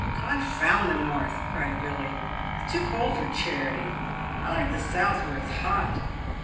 " Confound the north," cried Billy. " It's too cold for charity. I like the south, where it's hot.